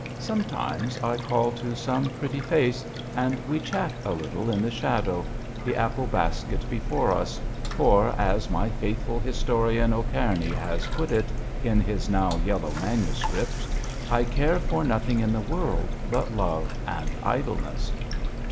Sometimes I call to some pretty face, and we chat a little in the shadow, the apple basket before us, for, as my faith ful historian O'Kearney has put it in his now yellow manuscript, I care for nothing in the world but love and idleness.